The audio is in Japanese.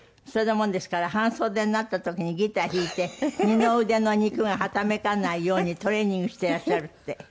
それだもんですから半袖になった時にギター弾いて二の腕の肉がはためかないようにトレーニングしてらっしゃるって。